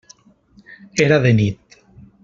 Era de nit.